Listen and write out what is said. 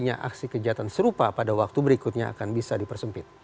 dan jika terjadi aksi kejahatan serupa pada waktu berikutnya akan bisa dipersempit